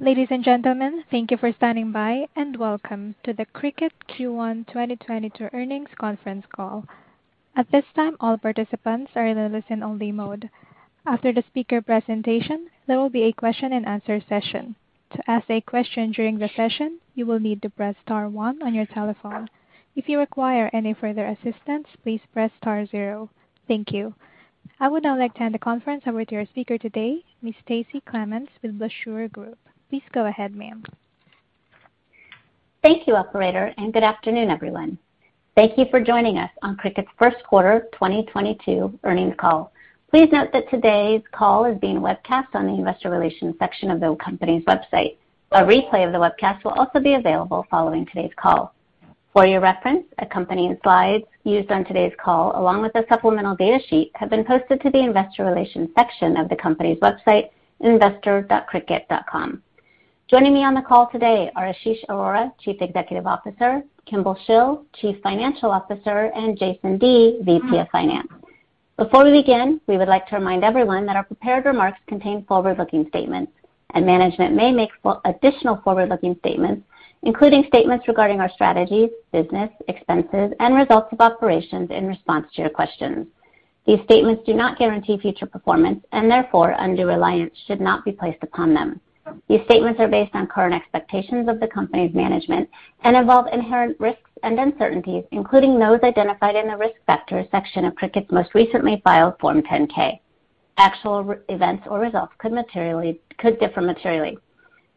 Ladies and gentlemen, thank you for standing by, and welcome to the Cricut Q1 2022 earnings conference call. At this time, all participants are in a listen-only mode. After the speaker presentation, there will be a question-and-answer session. To ask a question during the session, you will need to press star one on your telephone. If you require any further assistance, please press star zero. Thank you. I would now like to hand the conference over to our speaker today, Ms. Stacie Clements with the Blueshirt Group. Please go ahead, ma'am. Thank you, operator, and good afternoon, everyone. Thank you for joining us on Cricut's first quarter 2022 earnings call. Please note that today's call is being webcast on the investor relations section of the company's website. A replay of the webcast will also be available following today's call. For your reference, accompanying slides used on today's call along with the supplemental data sheet have been posted to the investor relations section of the company's website, investor.cricut.com. Joining me on the call today are Ashish Arora, Chief Executive Officer, Kimball Shill, Chief Financial Officer, and Jason Dea, VP of Finance. Before we begin, we would like to remind everyone that our prepared remarks contain forward-looking statements, and management may make additional forward-looking statements, including statements regarding our strategies, business, expenses, and results of operations in response to your questions. These statements do not guarantee future performance and therefore, undue reliance should not be placed upon them. These statements are based on current expectations of the company's management and involve inherent risks and uncertainties, including those identified in the Risk Factors section of Cricut's most recently filed Form 10-K. Actual events or results could differ materially.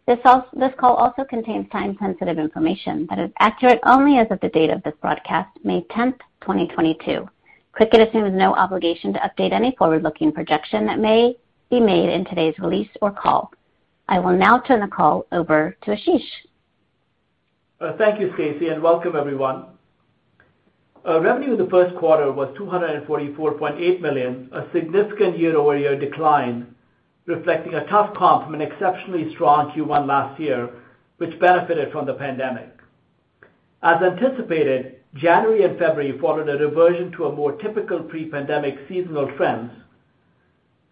This call also contains time-sensitive information that is accurate only as of the date of this broadcast, May 10, 2022. Cricut assumes no obligation to update any forward-looking projection that may be made in today's release or call. I will now turn the call over to Ashish. Thank you, Stacy, and welcome everyone. Revenue in the first quarter was $244.8 million, a significant year-over-year decline, reflecting a tough comp from an exceptionally strong Q1 last year, which benefited from the pandemic. As anticipated, January and February followed a reversion to a more typical pre-pandemic seasonal trends.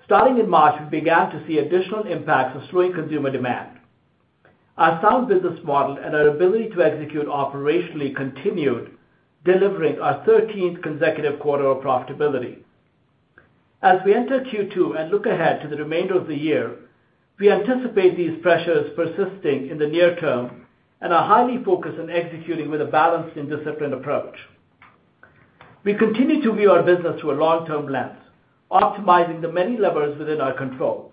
Starting in March, we began to see additional impacts of slowing consumer demand. Our sound business model and our ability to execute operationally continued, delivering our thirteenth consecutive quarter of profitability. As we enter Q2 and look ahead to the remainder of the year, we anticipate these pressures persisting in the near term and are highly focused on executing with a balanced and disciplined approach. We continue to view our business through a long-term lens, optimizing the many levers within our control.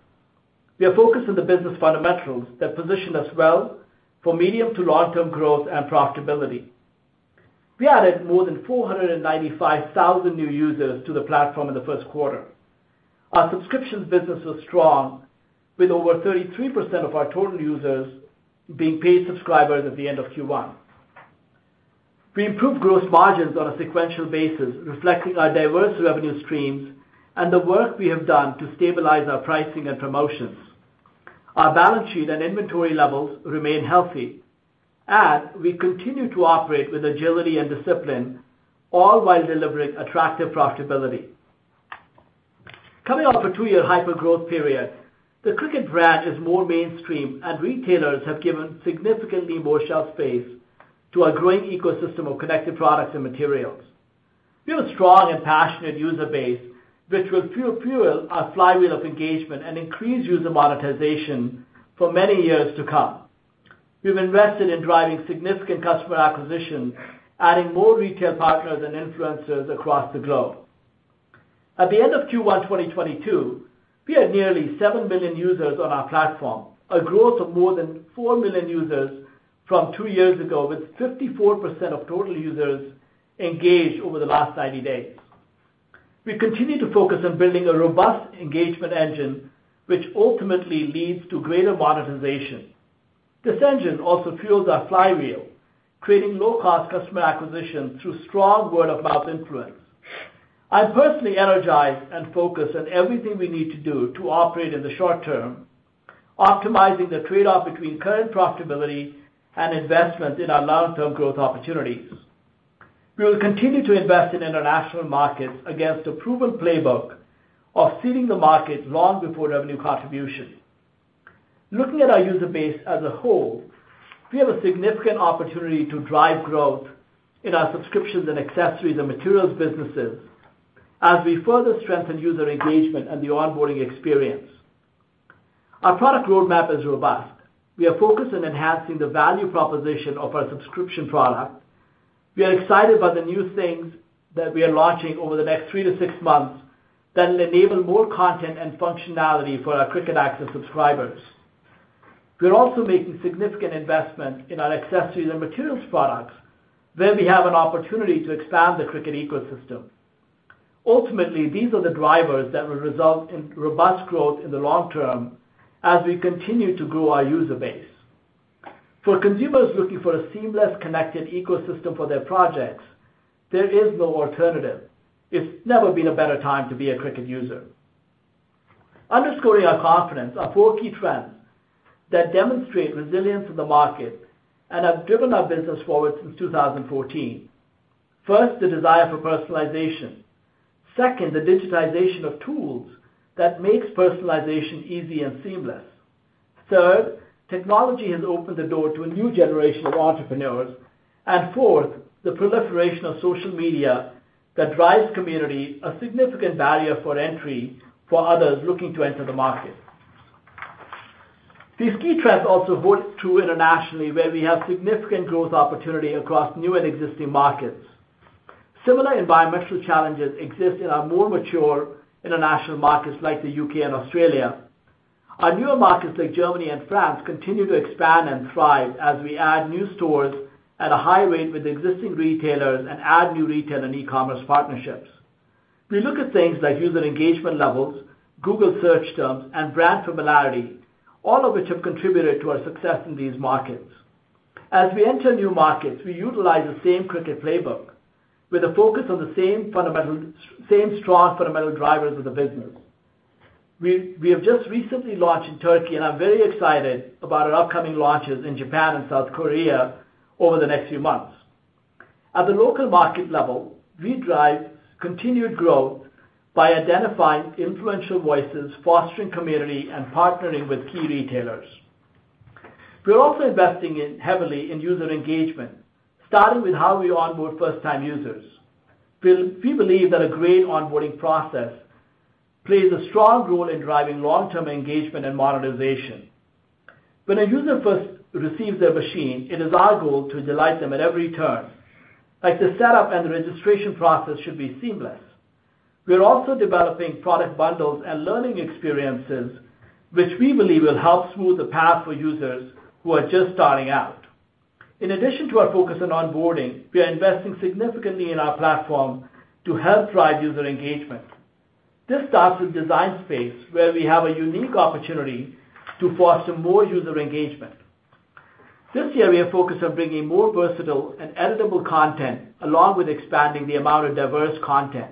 We are focused on the business fundamentals that position us well for medium to long-term growth and profitability. We added more than 495,000 new users to the platform in the first quarter. Our subscriptions business was strong, with over 33% of our total users being paid subscribers at the end of Q1. We improved gross margins on a sequential basis, reflecting our diverse revenue streams and the work we have done to stabilize our pricing and promotions. Our balance sheet and inventory levels remain healthy, and we continue to operate with agility and discipline, all while delivering attractive profitability. Coming off a two-year hypergrowth period, the Cricut brand is more mainstream, and retailers have given significantly more shelf space to our growing ecosystem of connected products and materials. We have a strong and passionate user base, which will fuel our flywheel of engagement and increase user monetization for many years to come. We've invested in driving significant customer acquisition, adding more retail partners and influencers across the globe. At the end of Q1 2022, we had nearly 7 million users on our platform, a growth of more than 4 million users from two years ago, with 54% of total users engaged over the last 90 days. We continue to focus on building a robust engagement engine, which ultimately leads to greater monetization. This engine also fuels our flywheel, creating low-cost customer acquisition through strong word-of-mouth influence. I'm personally energized and focused on everything we need to do to operate in the short term, optimizing the trade-off between current profitability and investment in our long-term growth opportunities. We will continue to invest in international markets against a proven playbook of seeding the market long before revenue contribution. Looking at our user base as a whole, we have a significant opportunity to drive growth in our subscriptions and accessories and materials businesses as we further strengthen user engagement and the onboarding experience. Our product roadmap is robust. We are focused on enhancing the value proposition of our subscription product. We are excited about the new things that we are launching over the next three to six months that'll enable more content and functionality for our Cricut Access subscribers. We're also making significant investments in our accessories and materials products, where we have an opportunity to expand the Cricut ecosystem. Ultimately, these are the drivers that will result in robust growth in the long term as we continue to grow our user base. For consumers looking for a seamless, connected ecosystem for their projects, there is no alternative. It's never been a better time to be a Cricut user. Underscoring our confidence are four key trends that demonstrate resilience in the market and have driven our business forward since 2014. First, the desire for personalization. Second, the digitization of tools that makes personalization easy and seamless. Third, technology has opened the door to a new generation of entrepreneurs. Fourth, the proliferation of social media that drives community, a significant barrier for entry for others looking to enter the market. These key trends also hold true internationally, where we have significant growth opportunity across new and existing markets. Similar environmental challenges exist in our more mature international markets like the U.K. and Australia. Our newer markets like Germany and France continue to expand and thrive as we add new stores at a high rate with existing retailers and add new retail and e-commerce partnerships. We look at things like user engagement levels, Google search terms, and brand familiarity, all of which have contributed to our success in these markets. As we enter new markets, we utilize the same Cricut playbook with a focus on the same strong fundamental drivers of the business. We have just recently launched in Turkey, and I'm very excited about our upcoming launches in Japan and South Korea over the next few months. At the local market level, we drive continued growth by identifying influential voices, fostering community and partnering with key retailers. We are also investing heavily in user engagement, starting with how we onboard first-time users. We believe that a great onboarding process plays a strong role in driving long-term engagement and monetization. When a user first receives their machine, it is our goal to delight them at every turn. Like, the setup and the registration process should be seamless. We are also developing product bundles and learning experiences which we believe will help smooth the path for users who are just starting out. In addition to our focus on onboarding, we are investing significantly in our platform to help drive user engagement. This starts with Design Space, where we have a unique opportunity to foster more user engagement. This year, we are focused on bringing more versatile and editable content, along with expanding the amount of diverse content.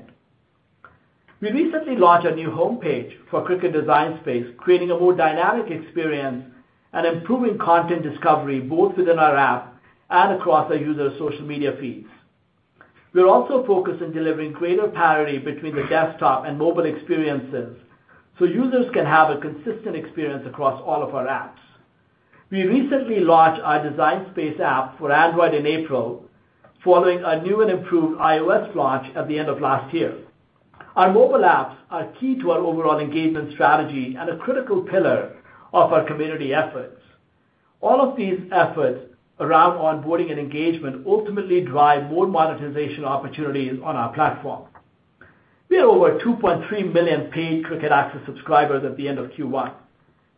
We recently launched a new homepage for Cricut Design Space, creating a more dynamic experience and improving content discovery both within our app and across our user social media feeds. We are also focused on delivering greater parity between the desktop and mobile experiences so users can have a consistent experience across all of our apps. We recently launched our Design Space app for Android in April, following our new and improved iOS launch at the end of last year. Our mobile apps are key to our overall engagement strategy and a critical pillar of our community efforts. All of these efforts around onboarding and engagement ultimately drive more monetization opportunities on our platform. We have over 2.3 million paid Cricut Access subscribers at the end of Q1,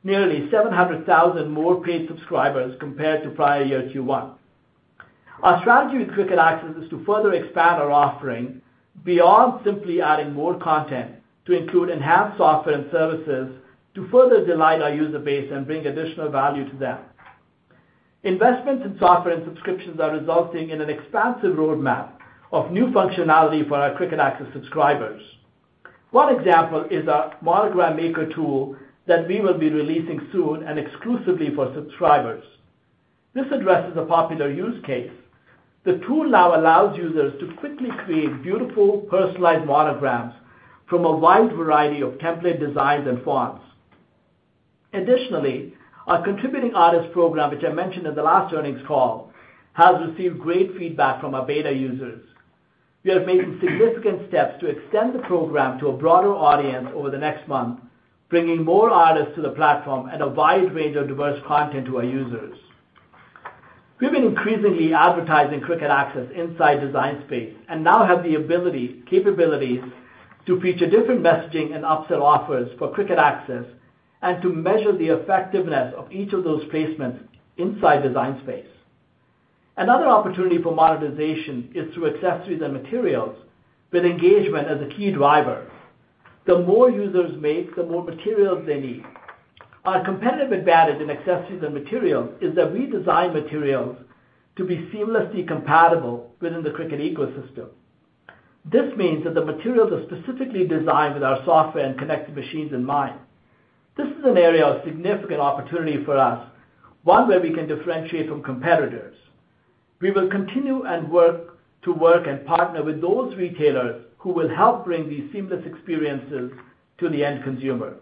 nearly 700,000 more paid subscribers compared to prior year Q1. Our strategy with Cricut Access is to further expand our offering beyond simply adding more content to include enhanced software and services to further delight our user base and bring additional value to them. Investments in software and subscriptions are resulting in an expansive roadmap of new functionality for our Cricut Access subscribers. One example is our Monogram Maker tool that we will be releasing soon and exclusively for subscribers. This addresses a popular use case. The tool now allows users to quickly create beautiful personalized monograms from a wide variety of template designs and fonts. Additionally, our Contributing Artist Program, which I mentioned in the last earnings call, has received great feedback from our beta users. We are making significant steps to extend the program to a broader audience over the next month, bringing more artists to the platform and a wide range of diverse content to our users. We've been increasingly advertising Cricut Access inside Design Space and now have capabilities to feature different messaging and upsell offers for Cricut Access and to measure the effectiveness of each of those placements inside Design Space. Another opportunity for monetization is through accessories and materials with engagement as a key driver. The more users make, the more materials they need. Our competitive advantage in accessories and materials is that we design materials to be seamlessly compatible within the Cricut ecosystem. This means that the materials are specifically designed with our software and connected machines in mind. This is an area of significant opportunity for us, one where we can differentiate from competitors. We will continue and work to partner with those retailers who will help bring these seamless experiences to the end consumer.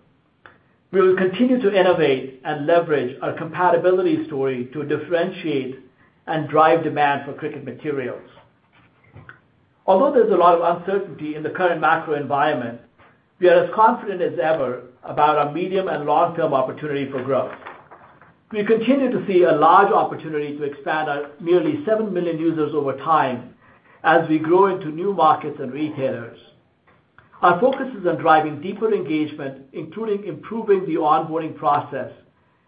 We will continue to innovate and leverage our compatibility story to differentiate and drive demand for Cricut materials. Although there's a lot of uncertainty in the current macro environment, we are as confident as ever about our medium and long-term opportunity for growth. We continue to see a large opportunity to expand our nearly 7 million users over time as we grow into new markets and retailers. Our focus is on driving deeper engagement, including improving the onboarding process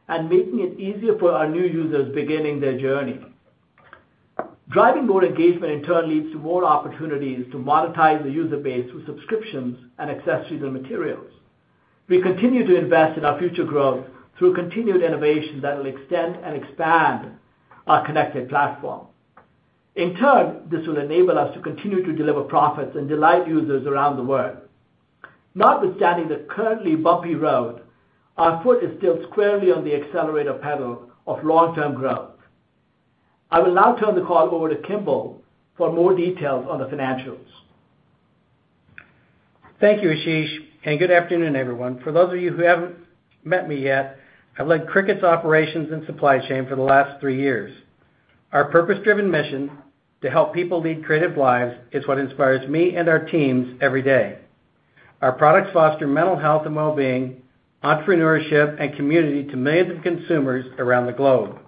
and making it easier for our new users beginning their journey. Driving more engagement in turn leads to more opportunities to monetize the user base with subscriptions and accessories and materials. We continue to invest in our future growth through continued innovation that will extend and expand our connected platform. In turn, this will enable us to continue to deliver profits and delight users around the world. Notwithstanding the currently bumpy road, our foot is still squarely on the accelerator pedal of long-term growth. I will now turn the call over to Kimball for more details on the financials. Thank you, Ashish, and good afternoon, everyone. For those of you who haven't met me yet, I've led Cricut's operations and supply chain for the last three years. Our purpose-driven mission to help people lead creative lives is what inspires me and our teams every day. Our products foster mental health and wellbeing, entrepreneurship, and community to millions of consumers around the globe.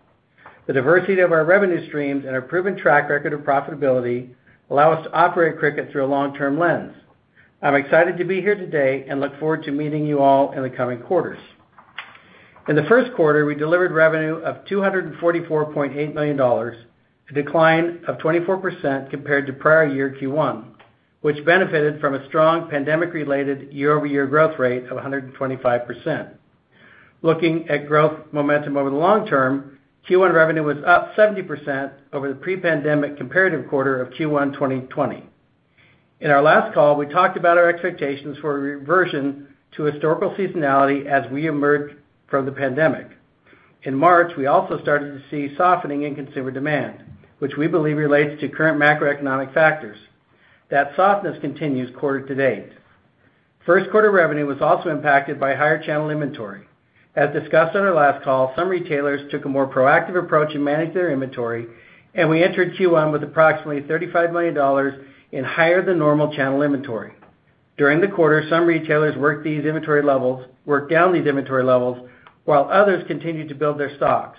The diversity of our revenue streams and our proven track record of profitability allow us to operate Cricut through a long-term lens. I'm excited to be here today and look forward to meeting you all in the coming quarters. In the first quarter, we delivered revenue of $244.8 million, a decline of 24% compared to prior year Q1, which benefited from a strong pandemic-related year-over-year growth rate of 125%. Looking at growth momentum over the long term, Q1 revenue was up 70% over the pre-pandemic comparative quarter of Q1 2020. In our last call, we talked about our expectations for a reversion to historical seasonality as we emerge from the pandemic. In March, we also started to see softening in consumer demand, which we believe relates to current macroeconomic factors. That softness continues quarter to date. First quarter revenue was also impacted by higher channel inventory. As discussed on our last call, some retailers took a more proactive approach in managing their inventory, and we entered Q1 with approximately $35 million in higher than normal channel inventory. During the quarter, some retailers worked down these inventory levels, while others continued to build their stocks.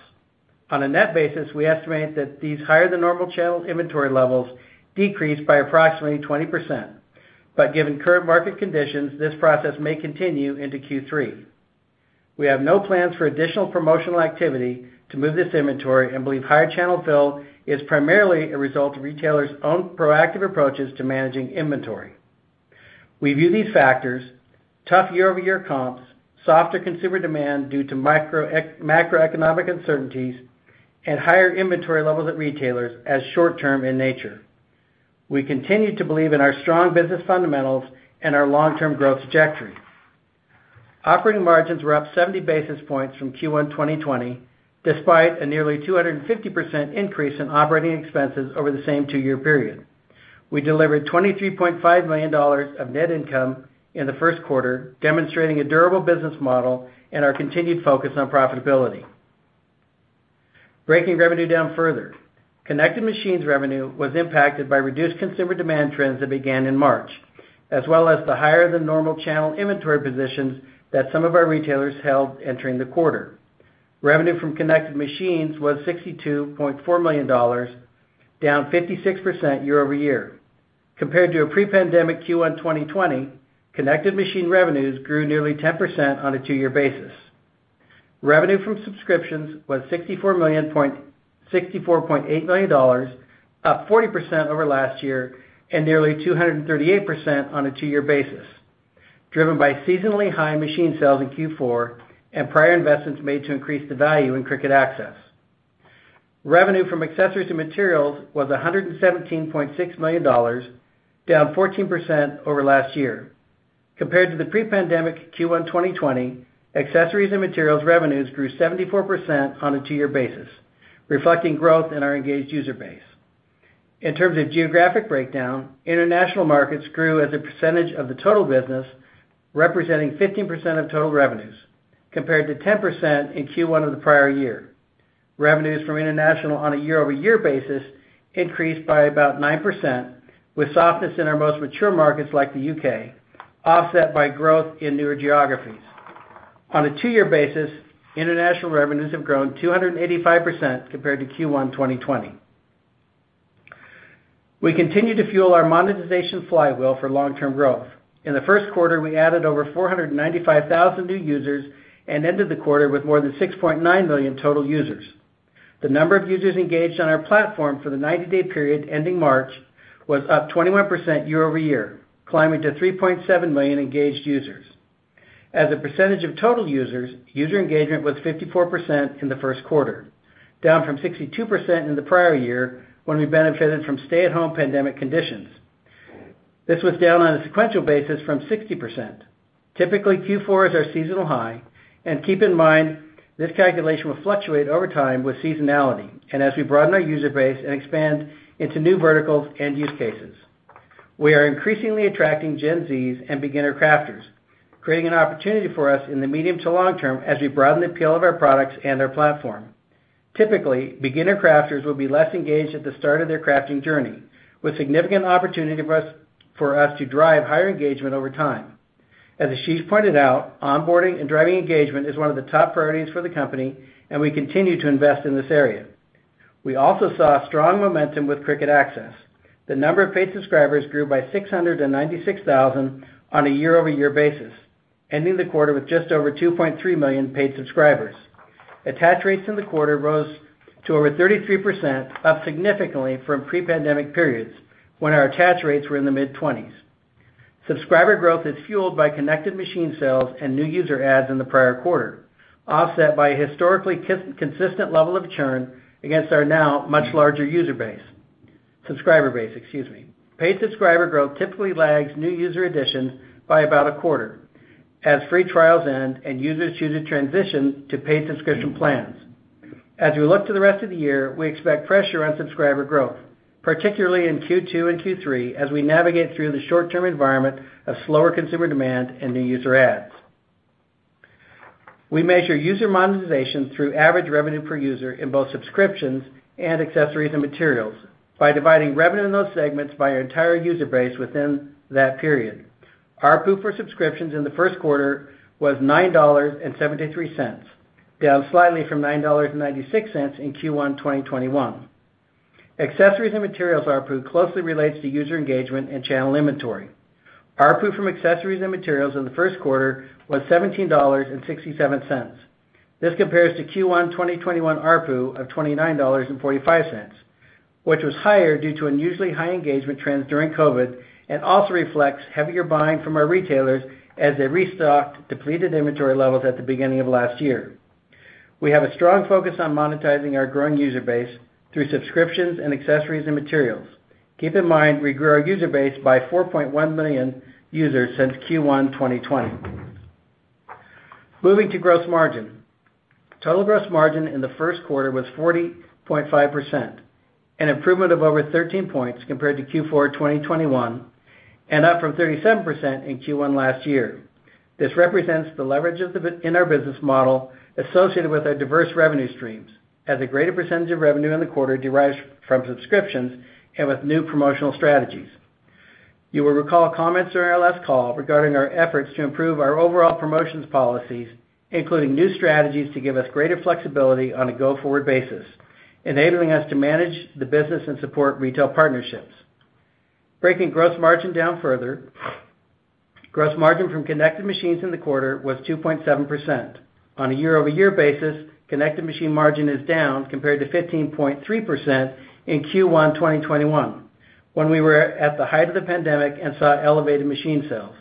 On a net basis, we estimate that these higher than normal channel inventory levels decreased by approximately 20%. Given current market conditions, this process may continue into Q3. We have no plans for additional promotional activity to move this inventory and believe higher channel fill is primarily a result of retailers' own proactive approaches to managing inventory. We view these factors, tough year-over-year comps, softer consumer demand due to macroeconomic uncertainties, and higher inventory levels at retailers as short-term in nature. We continue to believe in our strong business fundamentals and our long-term growth trajectory. Operating margins were up 70 basis points from Q1 2020, despite a nearly 250% increase in operating expenses over the same two-year period. We delivered $23.5 million of net income in the first quarter, demonstrating a durable business model and our continued focus on profitability. Breaking revenue down further. Connected machines revenue was impacted by reduced consumer demand trends that began in March, as well as the higher than normal channel inventory positions that some of our retailers held entering the quarter. Revenue from connected machines was $62.4 million, down 56% year-over-year. Compared to a pre-pandemic Q1 2020, connected machine revenues grew nearly 10% on a two-year basis. Revenue from subscriptions was $64.8 million, up 40% over last year and nearly 238% on a two-year basis, driven by seasonally high machine sales in Q4 and prior investments made to increase the value in Cricut Access. Revenue from accessories and materials was $117.6 million, down 14% over last year. Compared to the pre-pandemic Q1 2020, accessories and materials revenues grew 74% on a two-year basis, reflecting growth in our engaged user base. In terms of geographic breakdown, international markets grew as a percentage of the total business, representing 15% of total revenues compared to 10% in Q1 of the prior year. Revenues from international on a year-over-year basis increased by about 9%, with softness in our most mature markets like the U.K., offset by growth in newer geographies. On a two-year basis, international revenues have grown 285% compared to Q1 2020. We continue to fuel our monetization flywheel for long-term growth. In the first quarter, we added over 495,000 new users and ended the quarter with more than 6.9 million total users. The number of users engaged on our platform for the 90-day period ending March was up 21% year-over-year, climbing to 3.7 million engaged users. As a percentage of total users, user engagement was 54% in the first quarter, down from 62% in the prior year when we benefited from stay-at-home pandemic conditions. This was down on a sequential basis from 60%. Typically, Q4 is our seasonal high, and keep in mind this calculation will fluctuate over time with seasonality and as we broaden our user base and expand into new verticals and use cases. We are increasingly attracting Gen Zs and beginner crafters, creating an opportunity for us in the medium to long term as we broaden the appeal of our products and our platform. Typically, beginner crafters will be less engaged at the start of their crafting journey, with significant opportunity for us to drive higher engagement over time. As Ashish pointed out, onboarding and driving engagement is one of the top priorities for the company, and we continue to invest in this area. We also saw strong momentum with Cricut Access. The number of paid subscribers grew by 696,000 on a year-over-year basis, ending the quarter with just over 2.3 million paid subscribers. Attach rates in the quarter rose to over 33%, up significantly from pre-pandemic periods when our attach rates were in the mid-20s. Subscriber growth is fueled by connected machine sales and new user adds in the prior quarter, offset by a historically consistent level of churn against our now much larger subscriber base. Paid subscriber growth typically lags new user additions by about a quarter as free trials end and users choose to transition to paid subscription plans. As we look to the rest of the year, we expect pressure on subscriber growth, particularly in Q2 and Q3, as we navigate through the short-term environment of slower consumer demand and new user adds. We measure user monetization through average revenue per user in both subscriptions and accessories and materials by dividing revenue in those segments by our entire user base within that period. ARPU for subscriptions in the first quarter was $9.73, down slightly from $9.96 in Q1 2021. Accessories and materials ARPU closely relates to user engagement and channel inventory. ARPU from accessories and materials in the first quarter was $17.67. This compares to Q1 2021 ARPU of $29.45, which was higher due to unusually high engagement trends during COVID, and also reflects heavier buying from our retailers as they restocked depleted inventory levels at the beginning of last year. We have a strong focus on monetizing our growing user base through subscriptions and accessories and materials. Keep in mind, we grew our user base by 4.1 million users since Q1 2020. Moving to gross margin. Total gross margin in the first quarter was 40.5%, an improvement of over 13 points compared to Q4 2021, and up from 37% in Q1 last year. This represents the leverage in our business model associated with our diverse revenue streams, as a greater percentage of revenue in the quarter derives from subscriptions and with new promotional strategies. You will recall comments during our last call regarding our efforts to improve our overall promotions policies, including new strategies to give us greater flexibility on a go-forward basis, enabling us to manage the business and support retail partnerships. Breaking gross margin down further, gross margin from connected machines in the quarter was 2.7%. On a year-over-year basis, connected machine margin is down compared to 15.3% in Q1 2021, when we were at the height of the pandemic and saw elevated machine sales.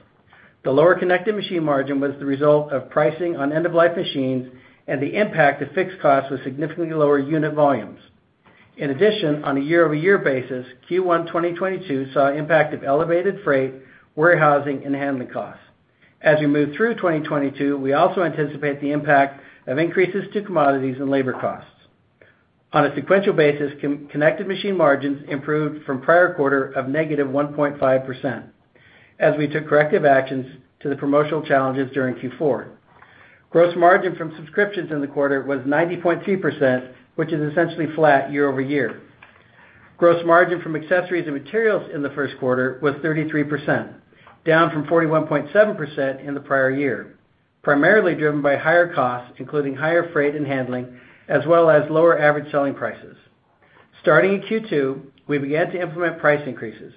The lower connected machine margin was the result of pricing on end-of-life machines and the impact of fixed costs with significantly lower unit volumes. In addition, on a year-over-year basis, Q1 2022 saw impact of elevated freight, warehousing, and handling costs. As we move through 2022, we also anticipate the impact of increases to commodities and labor costs. On a sequential basis, connected machine margins improved from prior quarter of -1.5% as we took corrective actions to the promotional challenges during Q4. Gross margin from subscriptions in the quarter was 90.2%, which is essentially flat year-over-year. Gross margin from accessories and materials in the first quarter was 33%, down from 41.7% in the prior year, primarily driven by higher costs, including higher freight and handling, as well as lower average selling prices. Starting in Q2, we began to implement price increases.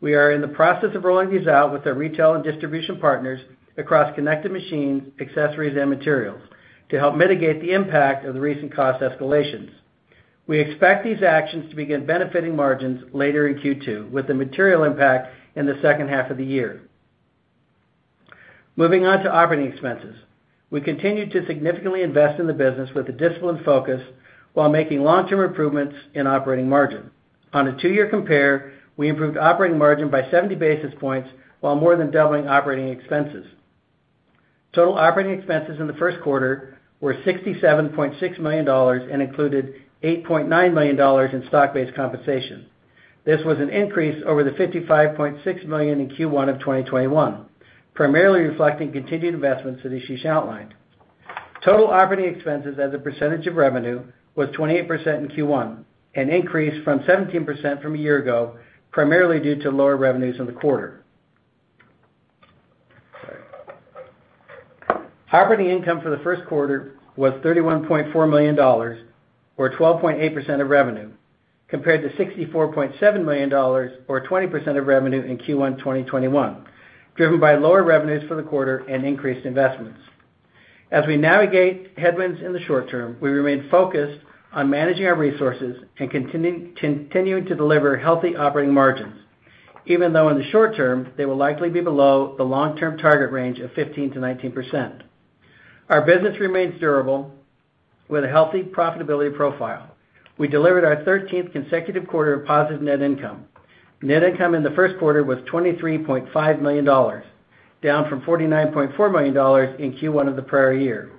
We are in the process of rolling these out with our retail and distribution partners across connected machines, accessories, and materials to help mitigate the impact of the recent cost escalations. We expect these actions to begin benefiting margins later in Q2 with a material impact in the second half of the year. Moving on to operating expenses. We continue to significantly invest in the business with a disciplined focus while making long-term improvements in operating margin. On a two-year compare, we improved operating margin by 70 basis points while more than doubling operating expenses. Total operating expenses in the first quarter were $67.6 million and included $8.9 million in stock-based compensation. This was an increase over the $55.6 million in Q1 of 2021, primarily reflecting continued investments that Ashish outlined. Total operating expenses as a percentage of revenue was 28% in Q1, an increase from 17% from a year ago, primarily due to lower revenues in the quarter. Sorry. Operating income for the first quarter was $31.4 million or 12.8% of revenue, compared to $64.7 million or 20% of revenue in Q1 2021, driven by lower revenues for the quarter and increased investments. As we navigate headwinds in the short term, we remain focused on managing our resources and continuing to deliver healthy operating margins, even though in the short term, they will likely be below the long-term target range of 15%-19%. Our business remains durable with a healthy profitability profile. We delivered our 13th consecutive quarter of positive net income. Net income in the first quarter was $23.5 million, down from $49.4 million in Q1 of the prior year.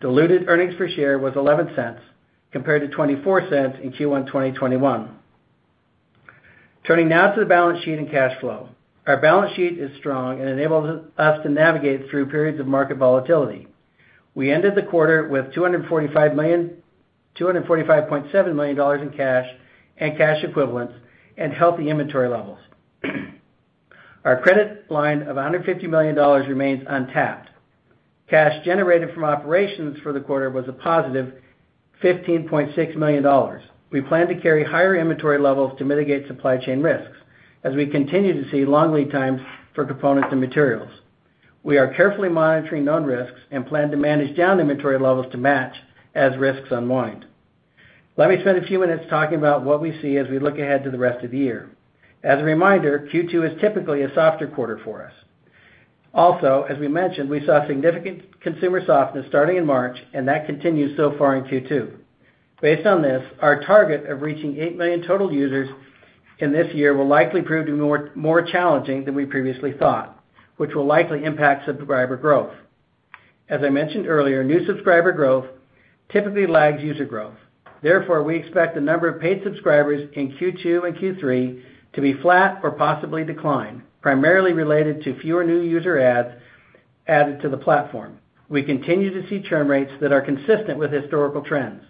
Diluted earnings per share was $0.11 compared to $0.24 in Q1 2021. Turning now to the balance sheet and cash flow. Our balance sheet is strong and enables us to navigate through periods of market volatility. We ended the quarter with $245.7 million in cash and cash equivalents and healthy inventory levels. Our credit line of $150 million remains untapped. Cash generated from operations for the quarter was a +$15.6 million. We plan to carry higher inventory levels to mitigate supply chain risks as we continue to see long lead times for components and materials. We are carefully monitoring known risks and plan to manage down inventory levels to match as risks unwind. Let me spend a few minutes talking about what we see as we look ahead to the rest of the year. As a reminder, Q2 is typically a softer quarter for us. Also, as we mentioned, we saw significant consumer softness starting in March, and that continues so far in Q2. Based on this, our target of reaching 8 million total users in this year will likely prove to be more challenging than we previously thought, which will likely impact subscriber growth. As I mentioned earlier, new subscriber growth typically lags user growth. Therefore, we expect the number of paid subscribers in Q2 and Q3 to be flat or possibly decline, primarily related to fewer new user adds added to the platform. We continue to see churn rates that are consistent with historical trends.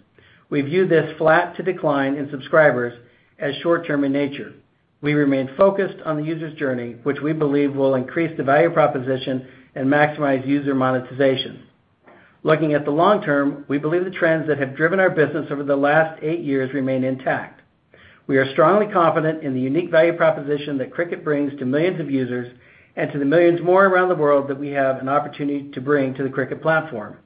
We view this flat to decline in subscribers as short-term in nature. We remain focused on the user's journey, which we believe will increase the value proposition and maximize user monetization. Looking at the long term, we believe the trends that have driven our business over the last eight years remain intact. We are strongly confident in the unique value proposition that Cricut brings to millions of users and to the millions more around the world that we have an opportunity to bring to the Cricut platform.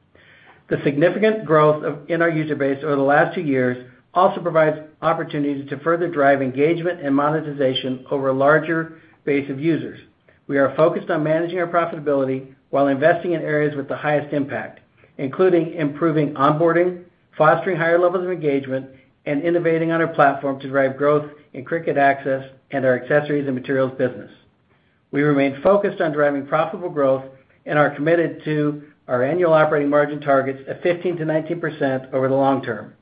The significant growth in our user base over the last two years also provides opportunities to further drive engagement and monetization over a larger base of users. We are focused on managing our profitability while investing in areas with the highest impact, including improving onboarding, fostering higher levels of engagement, and innovating on our platform to drive growth in Cricut Access and our accessories and materials business. We remain focused on driving profitable growth and are committed to our annual operating margin targets of 15%-19% over the long term.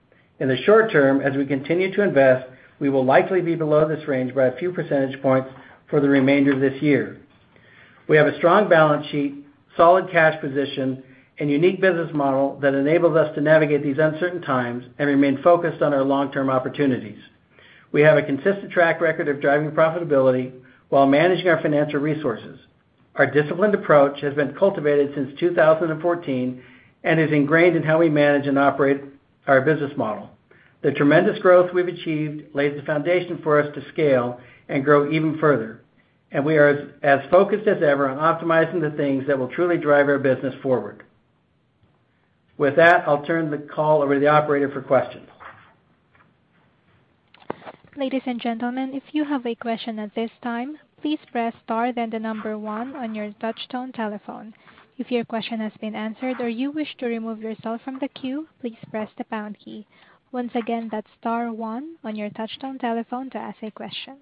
In the short term, as we continue to invest, we will likely be below this range by a few percentage points for the remainder of this year. We have a strong balance sheet, solid cash position, and unique business model that enables us to navigate these uncertain times and remain focused on our long-term opportunities. We have a consistent track record of driving profitability while managing our financial resources. Our disciplined approach has been cultivated since 2014 and is ingrained in how we manage and operate our business model. The tremendous growth we've achieved lays the foundation for us to scale and grow even further, and we are as focused as ever on optimizing the things that will truly drive our business forward. With that, I'll turn the call over to the operator for questions. Ladies and gentlemen, if you have a question at this time, please press star then the number one on your touch tone telephone. If your question has been answered or you wish to remove yourself from the queue, please press the pound key. Once again, that's star one on your touch tone telephone to ask a question.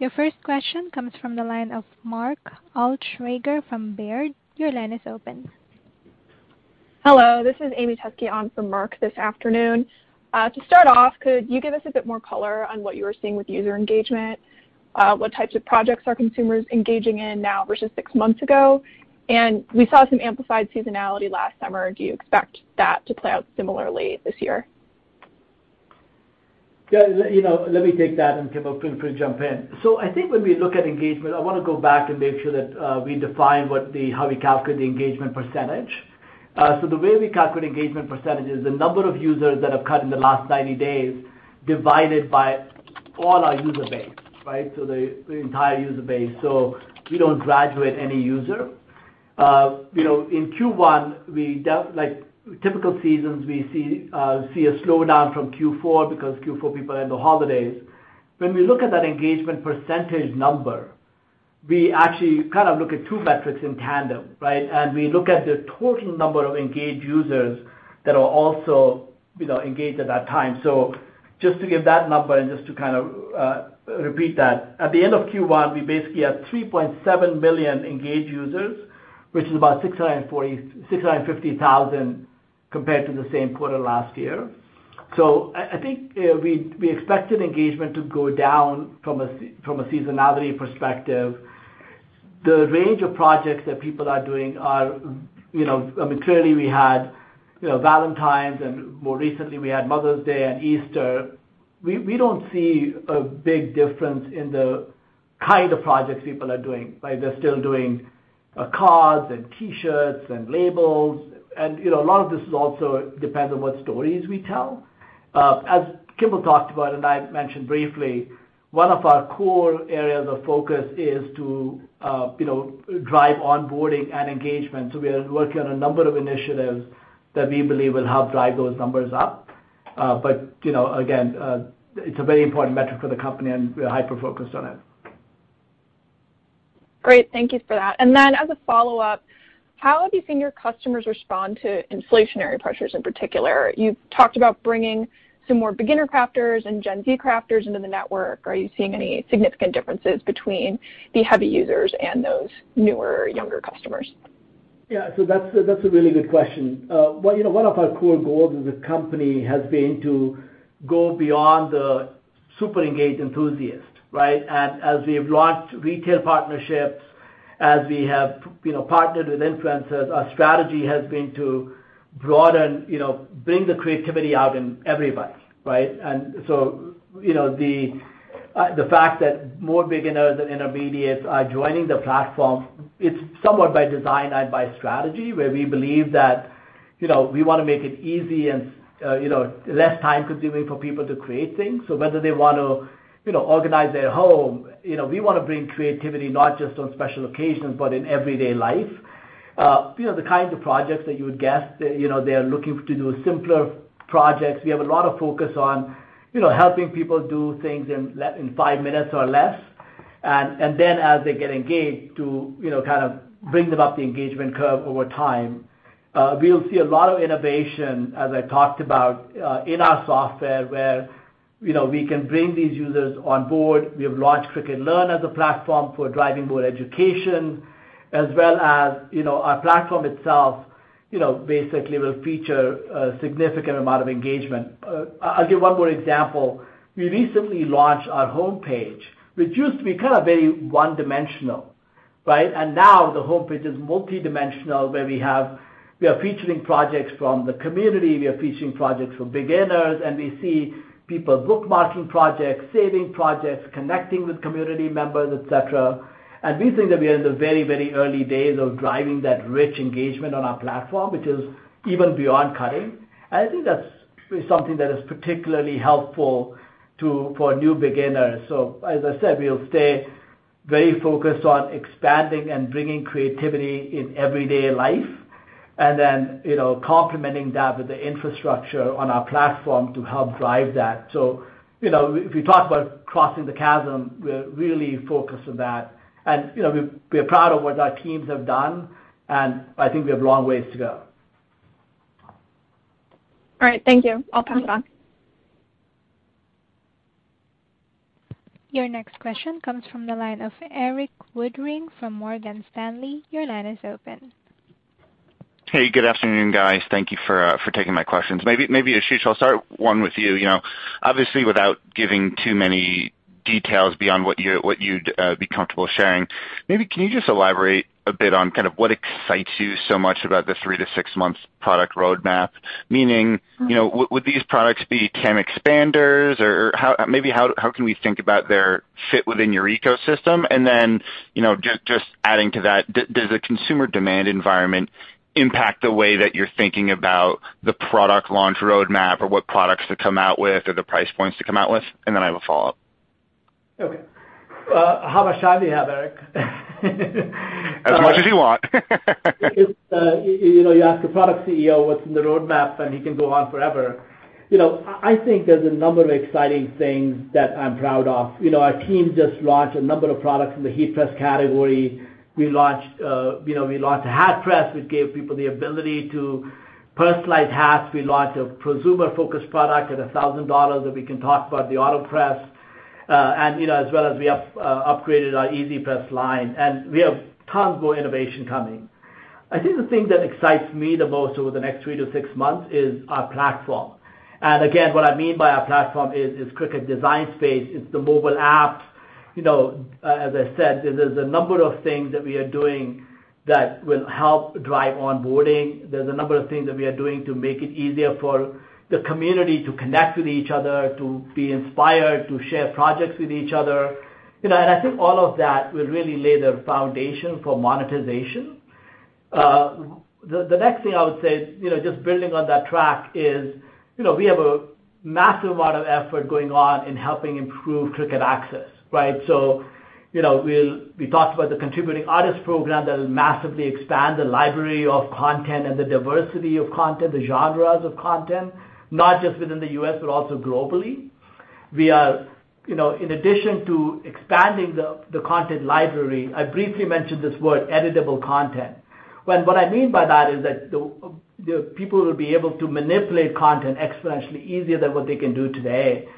Your first question comes from the line of Mark Altschwager from Baird. Your line is open. Hello, this is Amy Tuskey on for Mark this afternoon. To start off, could you give us a bit more color on what you are seeing with user engagement? What types of projects are consumers engaging in now versus six months ago? We saw some amplified seasonality last summer. Do you expect that to play out similarly this year? You know, let me take that and Kimball feel free to jump in. I think when we look at engagement, I wanna go back and make sure that we define how we calculate the engagement percentage. The way we calculate engagement percentage is the number of users that have cut in the last 90 days divided by all our user base, right? The entire user base. We don't graduate any user. You know, in Q1, typical seasons, we see a slowdown from Q4 because Q4 people have the holidays. When we look at that engagement percentage number, we actually kind of look at two metrics in tandem, right? We look at the total number of engaged users that are also, you know, engaged at that time. just to give that number and just to kind of, repeat that, at the end of Q1, we basically had 3.7 million engaged users, which is about 650,000 compared to the same quarter last year. I think, we expect an engagement to go down from a seasonality perspective. The range of projects that people are doing are, you know, I mean, clearly we had, you know, Valentine's and more recently we had Mother's Day and Easter. We don't see a big difference in the kind of projects people are doing, right? They're still doing, cards and T-shirts and labels and, you know, a lot of this is also depends on what stories we tell. As Kimball talked about and I mentioned briefly, one of our core areas of focus is to, you know, drive onboarding and engagement, so we are working on a number of initiatives that we believe will help drive those numbers up. You know, again, it's a very important metric for the company, and we are hyper-focused on it. Great. Thank you for that. As a follow-up, how have you seen your customers respond to inflationary pressures in particular? You've talked about bringing some more beginner crafters and Gen Z crafters into the network. Are you seeing any significant differences between the heavy users and those newer, younger customers? That's a really good question. You know, one of our core goals as a company has been to go beyond the super-engaged enthusiast, right? As we have launched retail partnerships, as we have, you know, partnered with influencers, our strategy has been to broaden, you know, bring the creativity out in everybody, right? You know, the fact that more beginners and intermediates are joining the platform, it's somewhat by design and by strategy, where we believe that, you know, we wanna make it easy and, you know, less time-consuming for people to create things. Whether they want to, you know, organize their home, you know, we wanna bring creativity not just on special occasions, but in everyday life. You know, the kinds of projects that you would guess, you know, they are looking to do simpler projects. We have a lot of focus on, you know, helping people do things in five minutes or less. Then as they get engaged too, you know, kind of bring them up the engagement curve over time. We'll see a lot of innovation, as I talked about, in our software, where, you know, we can bring these users on board. We have launched Cricut Learn as a platform for driving more education, as well as, you know, our platform itself, you know, basically will feature a significant amount of engagement. I'll give one more example. We recently launched our homepage, which used to be kind of very one-dimensional, right? Now the homepage is multidimensional, where we are featuring projects from the community, we are featuring projects for beginners, and we see people bookmarking projects, saving projects, connecting with community members, et cetera. We think that we are in the very, very early days of driving that rich engagement on our platform, which is even beyond cutting. I think that's something that is particularly helpful for new beginners. As I said, we'll stay very focused on expanding and bringing creativity in everyday life and then, you know, complementing that with the infrastructure on our platform to help drive that. You know, if we talk about crossing the chasm, we're really focused on that. You know, we're proud of what our teams have done, and I think we have a long ways to go. All right. Thank you. I'll pass it on. Your next question comes from the line of Erik Woodring from Morgan Stanley. Your line is open. Hey, good afternoon, guys. Thank you for taking my questions. Maybe, Ashish, I'll start one with you. You know, obviously, without giving too many details beyond what you'd be comfortable sharing, maybe can you just elaborate a bit on kind of what excites you so much about the three to six months product roadmap? Meaning, you know, would these products be TAM expanders or how can we think about their fit within your ecosystem? And then, you know, just adding to that, does the consumer demand environment impact the way that you're thinking about the product launch roadmap or what products to come out with or the price points to come out with? And then I have a follow-up. Okay. How much time do you have, Erik? As much as you want. You know, you ask a product CEO what's in the roadmap, and he can go on forever. You know, I think there's a number of exciting things that I'm proud of. You know, our team just launched a number of products in the heat press category. We launched, you know, we launched a Hat Press, which gave people the ability to personalize hats. We launched a prosumer-focused product at $1,000 that we can talk about, the Autopress. And, you know, as well as we upgraded our EasyPress line, and we have tons more innovation coming. I think the thing that excites me the most over the next three to six months is our platform. Again, what I mean by our platform is Cricut Design Space. It's the mobile apps. You know, as I said, there's a number of things that we are doing that will help drive onboarding. There's a number of things that we are doing to make it easier for the community to connect with each other, to be inspired, to share projects with each other. You know, I think all of that will really lay the foundation for monetization. The next thing I would say, you know, just building on that track is, you know, we have a massive amount of effort going on in helping improve Cricut Access, right? So, you know, we talked about the Contributing Artist Program that will massively expand the library of content and the diversity of content, the genres of content, not just within the U.S., but also globally. We are, you know, in addition to expanding the content library, I briefly mentioned this word editable content. What I mean by that is that the people will be able to manipulate content exponentially easier than what they can do today.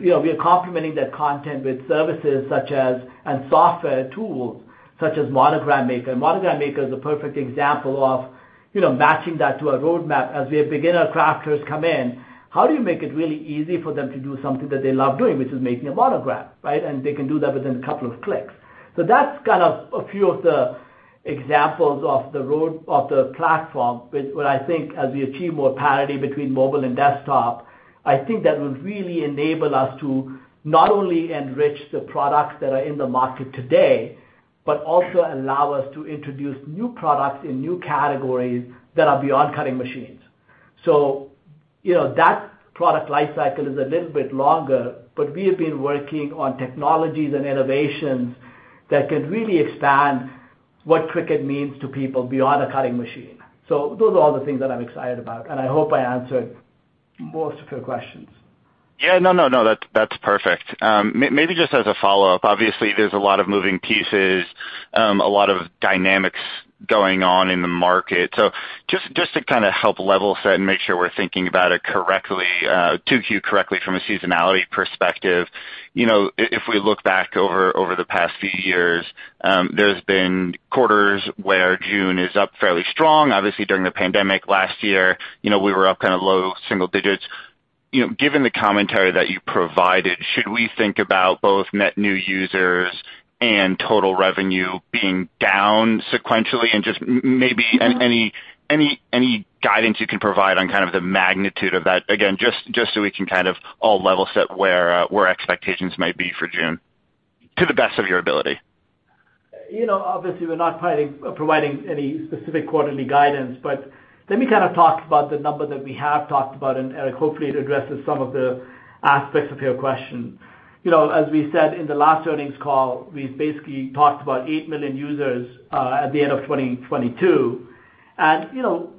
You know, we are complementing that content with services such as, and software tools such as Monogram Maker. Monogram Maker is a perfect example of, you know, matching that to a roadmap. As we have beginner crafters come in, how do you make it really easy for them to do something that they love doing, which is making a monogram, right? They can do that within a couple of clicks. That's kind of a few of the examples of the platform, which what I think as we achieve more parity between mobile and desktop, I think that will really enable us to not only enrich the products that are in the market today, but also allow us to introduce new products in new categories that are beyond cutting machines. You know, that product lifecycle is a little bit longer, but we have been working on technologies and innovations that can really expand what Cricut means to people beyond a cutting machine. Those are all the things that I'm excited about, and I hope I answered most of your questions. Yeah, no, no. That's perfect. Maybe just as a follow-up, obviously, there's a lot of moving pieces, a lot of dynamics going on in the market. So just to kinda help level set and make sure we're thinking about it correctly, 2Q correctly from a seasonality perspective, you know, if we look back over the past few years, there's been quarters where June is up fairly strong. Obviously, during the pandemic last year, you know, we were up kind of low single digits. You know, given the commentary that you provided, should we think about both net new users and total revenue being down sequentially and just maybe any guidance you can provide on kind of the magnitude of that, again, just so we can kind of all level set where expectations might be for June, to the best of your ability? You know, obviously, we're not providing any specific quarterly guidance, but let me kinda talk about the number that we have talked about. Erik, hopefully, it addresses some of the aspects of your question. You know, as we said in the last earnings call, we basically talked about 8 million users at the end of 2022. You know,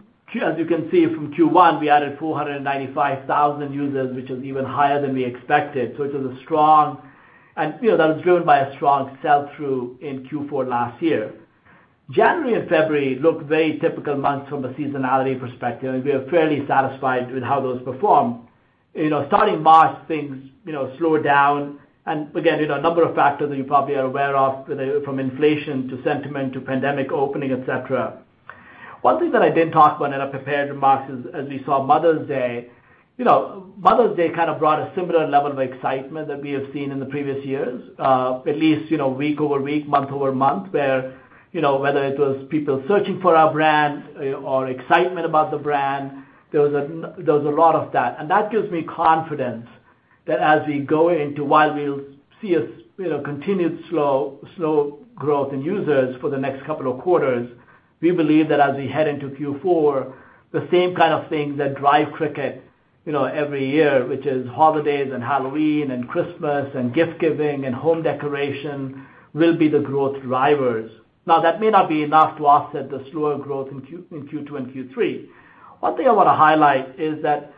as you can see from Q1, we added 495,000 users, which is even higher than we expected. So it was a strong. You know, that was driven by a strong sell-through in Q4 last year. January and February looked very typical months from a seasonality perspective, and we are fairly satisfied with how those performed. You know, starting March, things slowed down and again, you know, a number of factors that you probably are aware of, whether from inflation to sentiment to pandemic opening, et cetera. One thing that I didn't talk about in our prepared remarks is, as we saw Mother's Day, you know, Mother's Day kind of brought a similar level of excitement that we have seen in the previous years, at least, you know, week-over-week, month-over-month, where, you know, whether it was people searching for our brand or excitement about the brand, there was a lot of that. That gives me confidence that as we go into, while we'll see a, you know, continued slow growth in users for the next couple of quarters, we believe that as we head into Q4, the same kind of things that drive Cricut, you know, every year, which is holidays and Halloween and Christmas and gift giving and home decoration, will be the growth drivers. Now, that may not be enough to offset the slower growth in Q2 and Q3. One thing I wanna highlight is that,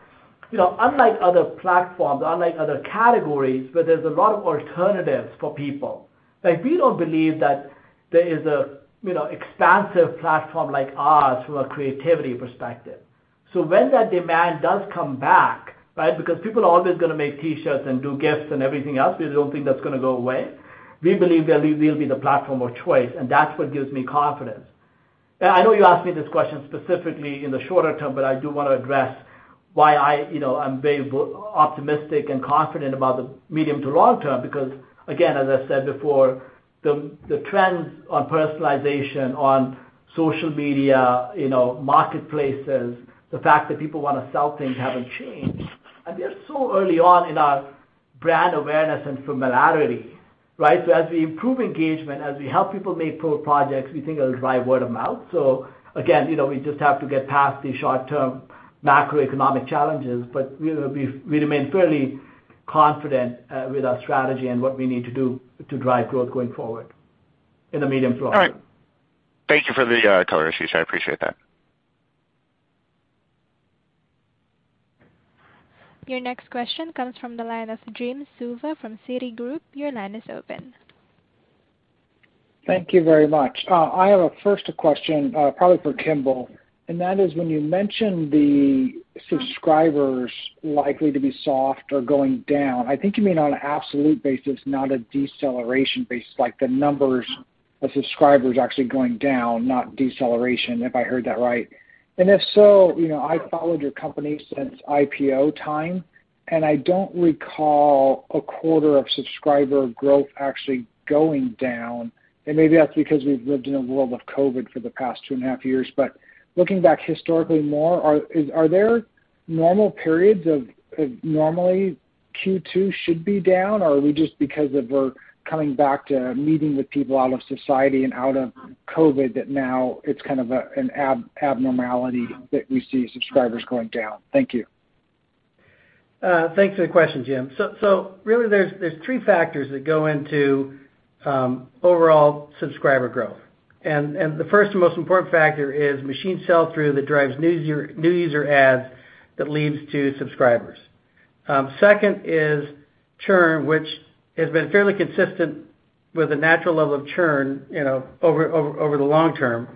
you know, unlike other platforms, unlike other categories, where there's a lot of alternatives for people, like, we don't believe that there is a, you know, expansive platform like ours from a creativity perspective. When that demand does come back, right, because people are always gonna make T-shirts and do gifts and everything else, we don't think that's gonna go away. We believe that we'll be the platform of choice, and that's what gives me confidence. I know you asked me this question specifically in the shorter term, but I do wanna address why I, you know, I'm very optimistic and confident about the medium to long term, because again, as I said before, the trends on personalization on social media, you know, marketplaces, the fact that people wanna sell things haven't changed. We are so early on in our brand awareness and familiarity, right? As we improve engagement, as we help people make cool projects, we think it'll drive word-of-mouth. Again, you know, we just have to get past the short term macroeconomic challenges. We remain fairly confident with our strategy and what we need to do to drive growth going forward in the medium term. All right. Thank you for the color, Ashish. I appreciate that. Your next question comes from the line of Jim Suva from Citigroup. Your line is open. Thank you very much. I have a question, probably for Kimball, and that is when you mention the subscribers likely to be soft or going down, I think you mean on an absolute basis, not a deceleration basis, like the numbers of subscribers actually going down, not deceleration, if I heard that right. If so, you know, I followed your company since IPO time, and I don't recall a quarter of subscriber growth actually going down. Maybe that's because we've lived in a world of COVID for the past 2.5 years. Looking back historically more, are there normal periods of normally Q2 should be down, or are we just because of we're coming back to meeting with people out of society and out of COVID, that now it's kind of an abnormality that we see subscribers going down? Thank you. Thanks for the question, Jim. Really there's three factors that go into overall subscriber growth. The first and most important factor is machine sell-through that drives new user adds that leads to subscribers. Second is churn, which has been fairly consistent with a natural level of churn, you know, over the long term.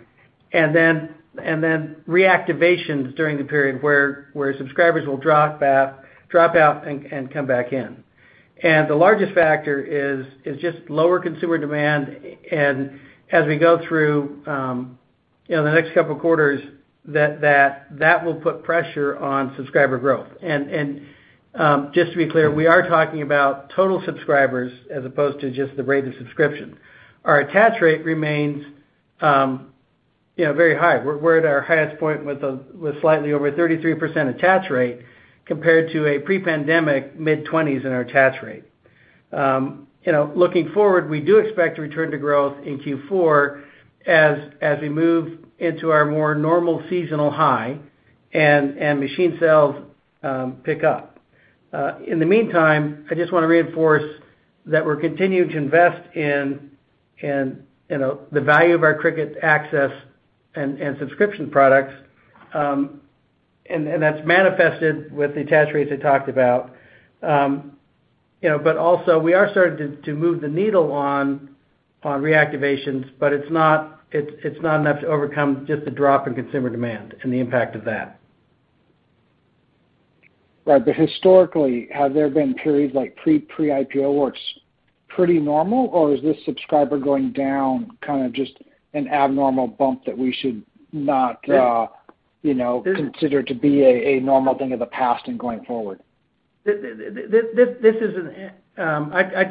Reactivations during the period where subscribers will drop out and come back in. The largest factor is just lower consumer demand, and as we go through, you know, the next couple of quarters, that will put pressure on subscriber growth. Just to be clear, we are talking about total subscribers as opposed to just the rate of subscription. Our attach rate remains, you know, very high. We're at our highest point with slightly over 33% attach rate compared to a pre-pandemic mid-20s in our attach rate. You know, looking forward, we do expect to return to growth in Q4 as we move into our more normal seasonal high and machine sales pick up. In the meantime, I just wanna reinforce that we're continuing to invest in, you know, the value of our Cricut Access and subscription products, and that's manifested with the attach rates I talked about. You know, but also we are starting to move the needle on reactivations, but it's not enough to overcome just the drop in consumer demand and the impact of that. Right. Historically, have there been periods like pre-IPO where it's pretty normal, or is this subscriber going down kind of just an abnormal bump that we should not, you know, consider to be a normal thing of the past and going forward? I'd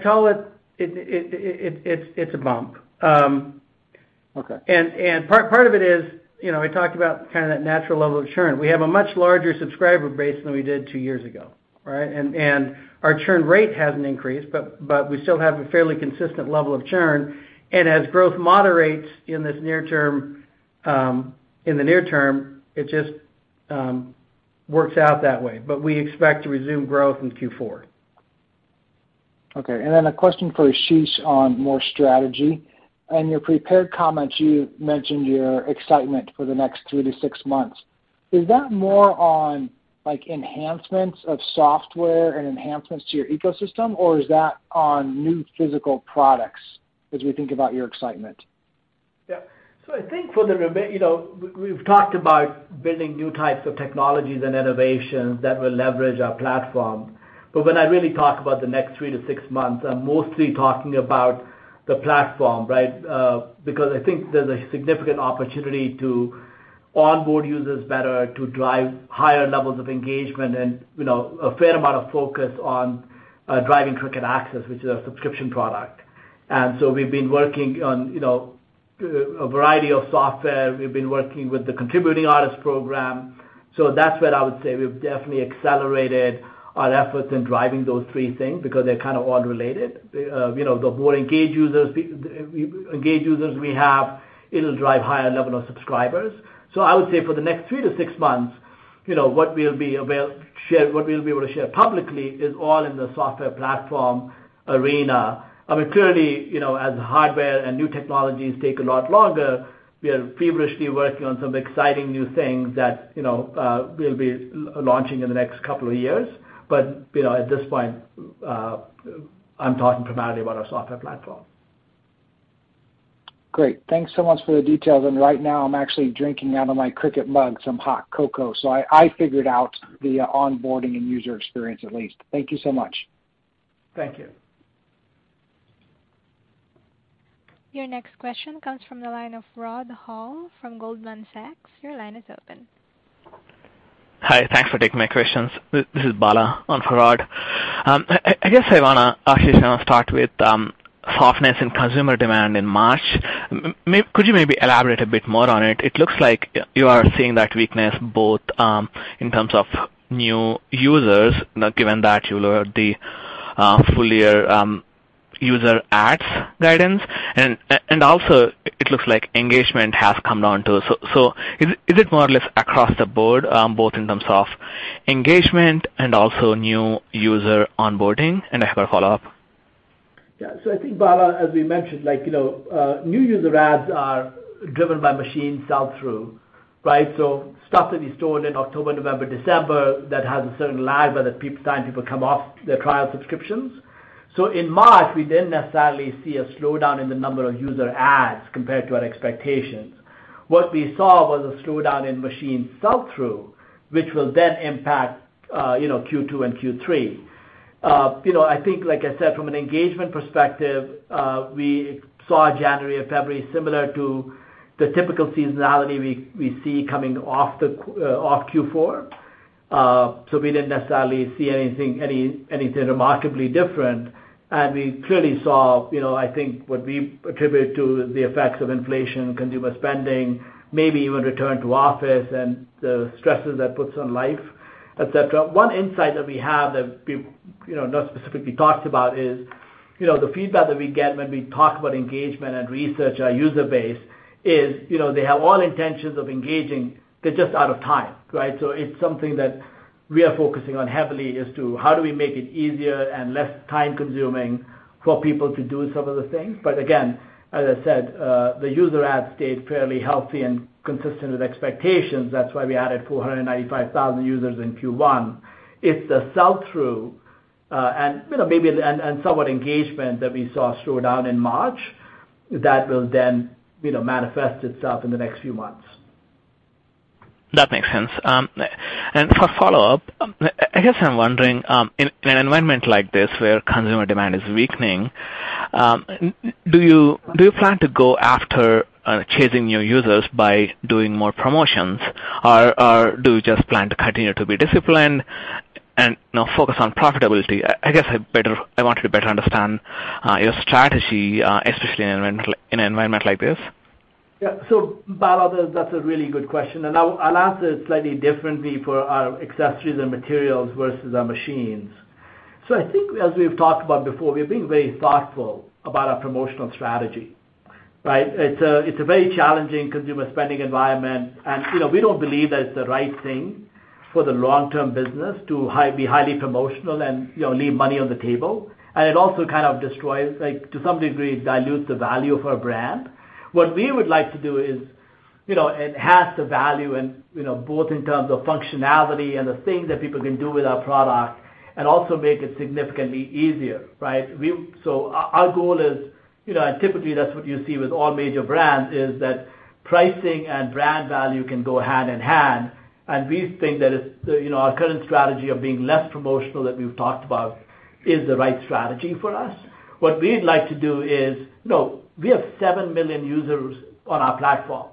call it a bump. Okay. Part of it is, you know, we talked about kind of that natural level of churn. We have a much larger subscriber base than we did 2 years ago, right? Our churn rate hasn't increased, but we still have a fairly consistent level of churn. As growth moderates in the near term, it just Works out that way, but we expect to resume growth in Q4. Okay. A question for Ashish on more strategy. In your prepared comments, you mentioned your excitement for the next three to six months. Is that more on, like, enhancements of software and enhancements to your ecosystem, or is that on new physical products as we think about your excitement? Yeah. I think, you know, we've talked about building new types of technologies and innovations that will leverage our platform. When I really talk about the next three to six months, I'm mostly talking about the platform, right? Because I think there's a significant opportunity to onboard users better to drive higher levels of engagement and, you know, a fair amount of focus on driving Cricut Access, which is a subscription product. We've been working on, you know, a variety of software. We've been working with the Contributing Artist Program. That's where I would say we've definitely accelerated our efforts in driving those three things because they're kind of all related. You know, the more engaged users we have, it'll drive higher level of subscribers. I would say for the next three to six months, you know, what we'll be able to share publicly is all in the software platform arena. I mean, clearly, you know, as hardware and new technologies take a lot longer, we are feverishly working on some exciting new things that, you know, we'll be launching in the next couple of years. But, you know, at this point, I'm talking primarily about our software platform. Great. Thanks so much for the details. Right now I'm actually drinking out of my Cricut mug, some hot cocoa, so I figured out the onboarding and user experience at least. Thank you so much. Thank you. Your next question comes from the line of Rod Hall from Goldman Sachs. Your line is open. Hi. Thanks for taking my questions. This is Bala on for Rod. I guess I wanna, Ashish, start with softness in consumer demand in March. Could you maybe elaborate a bit more on it? It looks like you are seeing that weakness both in terms of new users, given that you lowered the full year user adds guidance. Also it looks like engagement has come down, too. Is it more or less across the board both in terms of engagement and also new user onboarding? I have a follow-up. Yeah. I think, Bala, as we mentioned, like, you know, new user adds are driven by machine sell-through, right? Stuff that is sold in October, November, December, that has a certain lag, the time people come off their trial subscriptions. In March, we didn't necessarily see a slowdown in the number of user adds compared to our expectations. What we saw was a slowdown in machine sell-through, which will then impact Q2 and Q3. I think, like I said, from an engagement perspective, we saw January and February similar to the typical seasonality we see coming off Q4. We didn't necessarily see anything remarkably different. We clearly saw, you know, I think what we attribute to the effects of inflation, consumer spending, maybe even return to office and the stresses that puts on life, et cetera. One insight that we have, you know, not specifically talked about is, you know, the feedback that we get when we talk about engagement and research our user base is, you know, they have all intentions of engaging, they're just out of time, right? So it's something that we are focusing on heavily as to how do we make it easier and less time-consuming for people to do some of the things. But again, as I said, the user adds stayed fairly healthy and consistent with expectations. That's why we added 495,000 users in Q1. It's the sell-through, and, you know, somewhat engagement that we saw slow down in March that will then, you know, manifest itself in the next few months. That makes sense. For follow-up, I guess I'm wondering, in an environment like this where consumer demand is weakening, do you plan to go after chasing new users by doing more promotions, or do you just plan to continue to be disciplined and, you know, focus on profitability? I want to better understand your strategy, especially in an environment like this. Yeah. Bala, that's a really good question, and I'll answer it slightly differently for our accessories and materials versus our machines. I think as we've talked about before, we're being very thoughtful about our promotional strategy, right? It's a very challenging consumer spending environment. You know, we don't believe that it's the right thing for the long-term business to be highly promotional and, you know, leave money on the table. It also kind of destroys, like, to some degree, dilutes the value of our brand. What we would like to do is, you know, enhance the value and, you know, both in terms of functionality and the things that people can do with our product, and also make it significantly easier, right? Our goal is, you know, and typically that's what you see with all major brands, is that pricing and brand value can go hand in hand. We think that it's, you know, our current strategy of being less promotional that we've talked about is the right strategy for us. What we'd like to do is you know, we have 7 million users on our platform,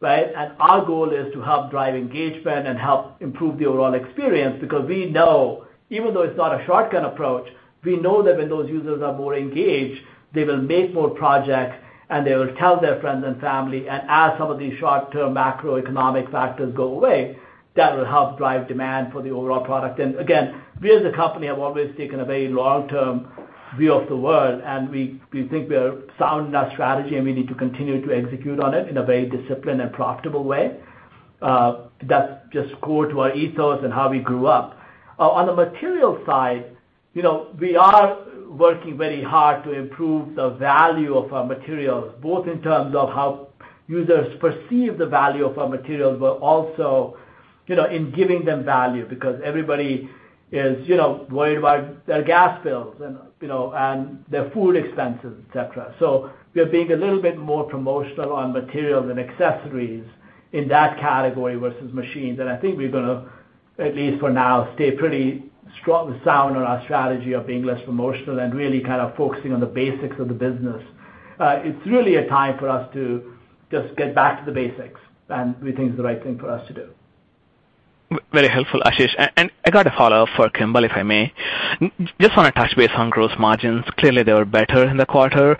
right? Our goal is to help drive engagement and help improve the overall experience because we know, even though it's not a shortcut approach, we know that when those users are more engaged, they will make more projects, and they will tell their friends and family. As some of these short-term macroeconomic factors go away, that will help drive demand for the overall product. We as a company have always taken a very long-term view of the world, and we think we are sound in our strategy, and we need to continue to execute on it in a very disciplined and profitable way. That's just core to our ethos and how we grew up. On the material side, you know, we are working very hard to improve the value of our materials, both in terms of how users perceive the value of our materials, but also, you know, in giving them value because everybody is, you know, worried about their gas bills and, you know, and their food expenses, et cetera. We are being a little bit more promotional on materials and accessories in that category versus machines. I think we're gonna, at least for now, stay pretty strong and sound on our strategy of being less promotional and really kind of focusing on the basics of the business. It's really a time for us to just get back to the basics, and we think it's the right thing for us to do. Very helpful, Ashish. I got a follow-up for Kimball, if I may. Just wanna touch base on gross margins. Clearly, they were better in the quarter.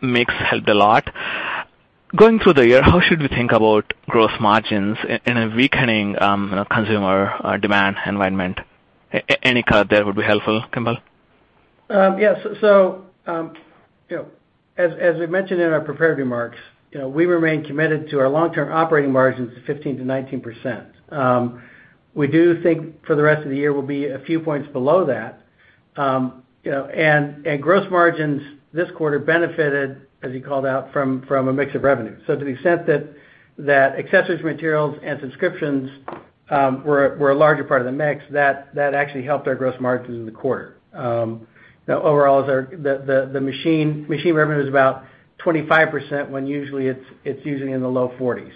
Mix helped a lot. Going through the year, how should we think about gross margins in a weakening consumer demand environment? Any color there would be helpful, Kimball. Yes, you know, as we mentioned in our prepared remarks, you know, we remain committed to our long-term operating margins of 15%-19%. We do think for the rest of the year we'll be a few points below that. You know, and gross margins this quarter benefited, as you called out, from a mix of revenue. To the extent that accessories, materials, and subscriptions were a larger part of the mix, that actually helped our gross margins in the quarter. You know, overall as our machine revenue is about 25% when usually it's in the low 40s.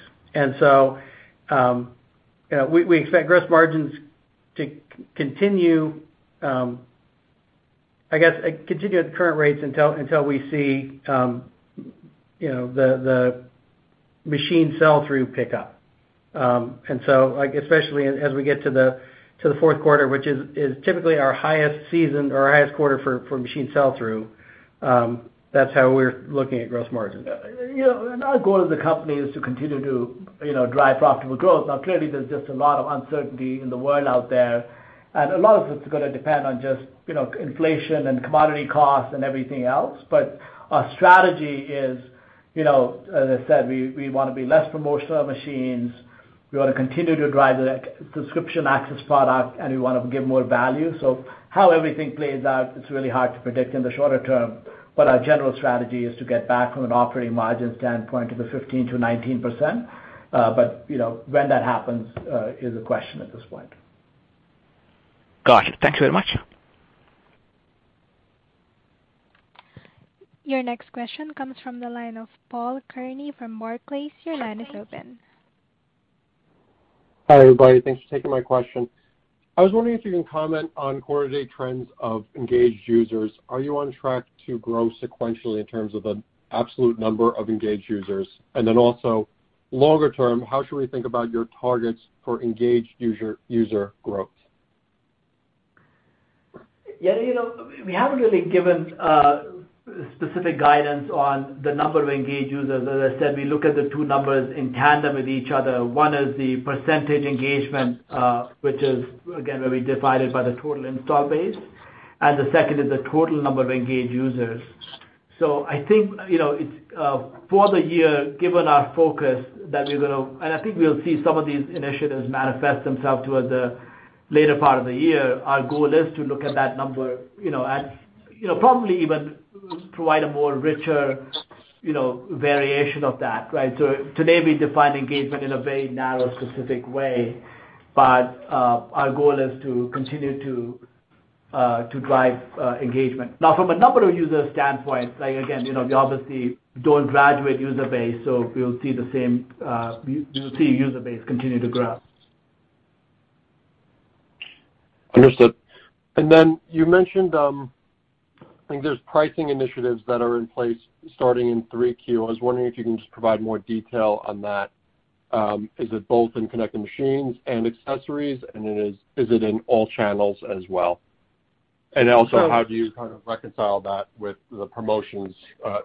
We expect gross margins to continue, I guess, at the current rates until we see the machine sell-through pick up. You know, like, especially as we get to the fourth quarter, which is typically our highest season or our highest quarter for machine sell-through, that's how we're looking at gross margins. You know, our goal as a company is to continue to, you know, drive profitable growth. Now, clearly, there's just a lot of uncertainty in the world out there, and a lot of it's gonna depend on just, you know, inflation and commodity costs and everything else. Our strategy is, you know, as I said, we wanna be less promotional of machines. We wanna continue to drive the subscription access product, and we wanna give more value. How everything plays out, it's really hard to predict in the shorter term, but our general strategy is to get back from an operating margin standpoint to the 15%-19%. You know, when that happens, is a question at this point. Got it. Thank you very much. Your next question comes from the line of Paul Kearney from Barclays. Your line is open. Hi, everybody. Thanks for taking my question. I was wondering if you can comment on quarter-to-date trends of engaged users. Are you on track to grow sequentially in terms of the absolute number of engaged users? Then also longer term, how should we think about your targets for engaged user growth? Yeah. You know, we haven't really given specific guidance on the number of engaged users. As I said, we look at the two numbers in tandem with each other. One is the percentage engagement, which is again where we divide it by the total install base, and the second is the total number of engaged users. I think, you know, it's for the year, given our focus that we're gonna. I think we'll see some of these initiatives manifest themselves towards the later part of the year. Our goal is to look at that number, you know, and you know, probably even provide a more richer, you know, variation of that, right? Today, we define engagement in a very narrow, specific way, but our goal is to continue to drive engagement. Now, from a number of users' standpoint, like again, you know, we obviously don't graduate user base, so we'll see the same, we'll see user base continue to grow. Understood. You mentioned, I think there's pricing initiatives that are in place starting in Q3. I was wondering if you can just provide more detail on that. Is it both in connected machines and accessories, and then is it in all channels as well? So- How do you kind of reconcile that with the promotions,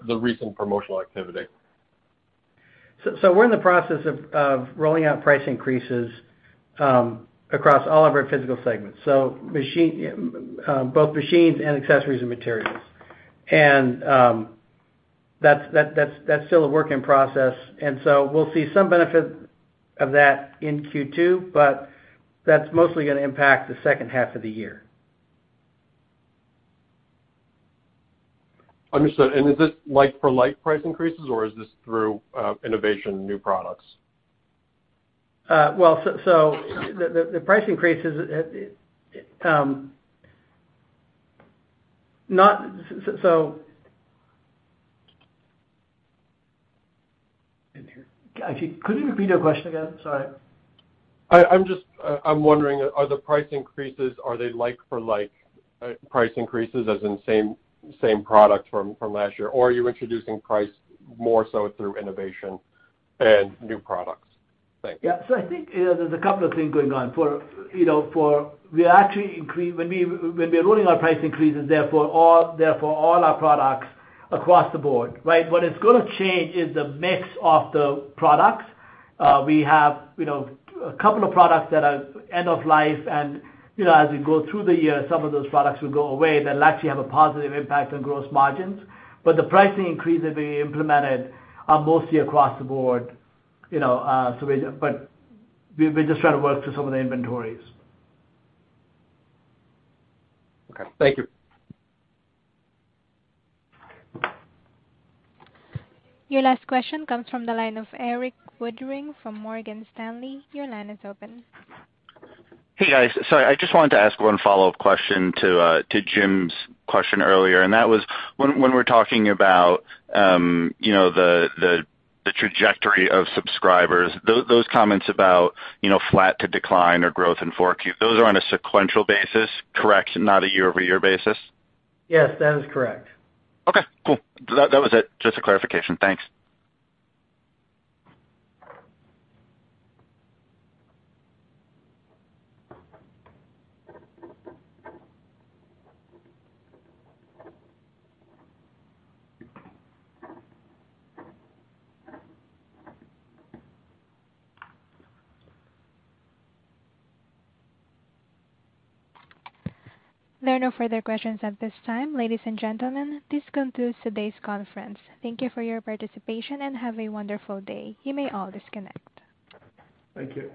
the recent promotional activity? We're in the process of rolling out price increases across all of our physical segments: machines, accessories, and materials. That's still a work in process. We'll see some benefit of that in Q2, but that's mostly gonna impact the second half of the year. Understood. Is this like for like price increases, or is this through innovation, new products? Well, the price increases. Actually, could you repeat your question again? Sorry. I'm just wondering, are the price increases like for like price increases as in same product from last year? Or are you introducing price more so through innovation and new products? Thank you. Yeah. I think, you know, there's a couple of things going on. When we are rolling our price increases, therefore all our products across the board, right? What is gonna change is the mix of the products. We have, you know, a couple of products that are end of life. As we go through the year, some of those products will go away. That'll actually have a positive impact on gross margins. The pricing increases being implemented are mostly across the board, you know. We just try to work through some of the inventories. Okay. Thank you. Your last question comes from the line of Erik Woodring from Morgan Stanley. Your line is open. Hey, guys. Sorry. I just wanted to ask one follow-up question to Jim's question earlier, and that was when we're talking about, you know, the trajectory of subscribers, those comments about, you know, flat to decline or growth in 4Q, those are on a sequential basis, correct? Not a year-over-year basis? Yes, that is correct. Okay, cool. That was it. Just a clarification. Thanks. There are no further questions at this time. Ladies and gentlemen, this concludes today's conference. Thank you for your participation, and have a wonderful day. You may all disconnect. Thank you.